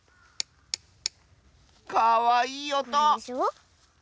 かわいいおと！